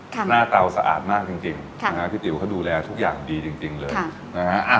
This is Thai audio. ค่ะหน้าเตาสะอาดมากจริงจริงค่ะพี่ติ๋วเขาดูแลทุกอย่างดีจริงจริงเลยค่ะ